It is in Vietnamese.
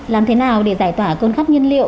làm thế nào để giải tỏa cơn khắp nhiên liệu